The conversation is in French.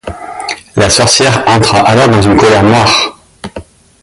La sorcière entra alors dans une colère noire.